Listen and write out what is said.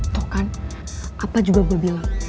toh kan apa juga gue bilang